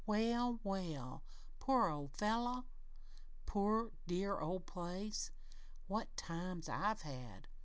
Well, well! Poor old fellow! Dear old place! What times I've had!"